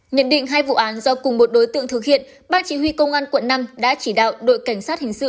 nhận định hai vụ án do cùng một đối tượng thực hiện ban chỉ huy công an quận năm đã chỉ đạo đội cảnh sát hình sự